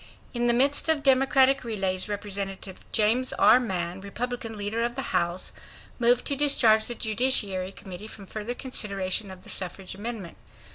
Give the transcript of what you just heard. In the midst of Democratic delays, Representative James R. Mann, Republican leader of the House, moved to discharge the Judiciary Committee from further consideration of the suffrage amendment.